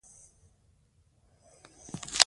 ماشومان د لوبو له لارې خپلې تیروتنې اصلاح کوي.